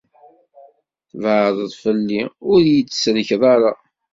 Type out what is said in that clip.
Tbeɛdeḍ fell-i, ur iyi-d-tsellkeḍ ara.